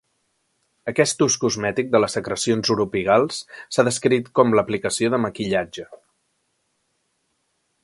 Aquest ús cosmètic de les secrecions uropigals s'ha descrit com l'aplicació de "maquillatge".